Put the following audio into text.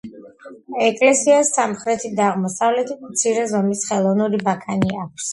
ეკლესიას სამხრეთით და აღმოსავლეთით მცირე ზომის ხელოვნური ბაქანი აქვს.